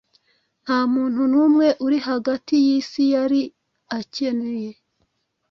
Ntamuntu numwe uri hagati yisi yari akeneye